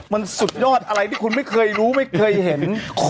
มันสุดยอดอะไรที่คุณไม่เคยรู้ไม่เคยเห็น